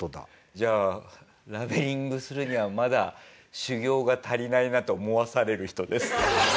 じゃあラベリングするにはまだ修行が足りないなと思わされる人です。